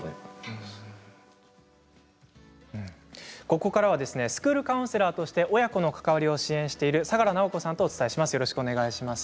ここからはスクールカウンセラーとして親子の関わりを支援している相樂直子さんとお伝えします。